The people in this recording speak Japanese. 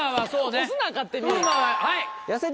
押すな勝手に。